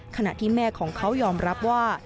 ขณะที่แม่ของเขายอมรับว่า